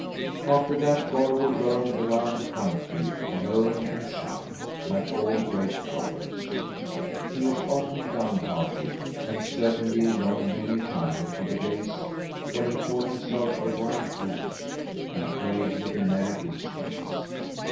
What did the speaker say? After that Gorgo roamed around the country, alone and shunned, like all great robbers. He was often downhearted, and certainly longed many a time for the days when he thought himself a wild goose, and played with the merry goslings.